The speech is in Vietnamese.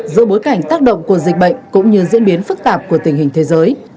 giữa bối cảnh tác động của dịch bệnh cũng như diễn biến phức tạp của tình hình thế giới